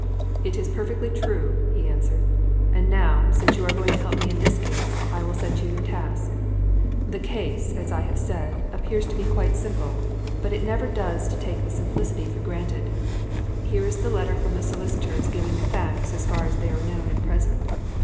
"It is perfectly true," he answered; "and now, since you are going to help me in this case, I will set you your task. The case, as I have said, appears to be quite simple, but it never does to take the simplicity for granted. Here is the letter from the solicitors giving the facts as far as they are known at present.